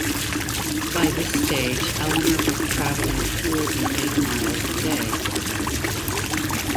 By this stage Eleanor was travelling fewer than eight miles a day.